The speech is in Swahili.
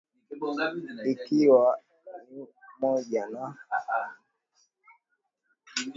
ikiwa ni pamoja na Mtwenge Marumbo Wandwi na wengineo